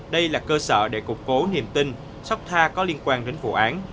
đây là cơ sở để cục cố niềm tin sóc tha có liên quan đến vụ án